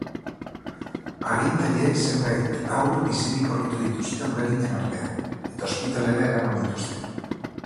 Agintariek zenbait haur bizirik aurkitu dituzte hondakinen artean eta ospitalera eraman dituzte.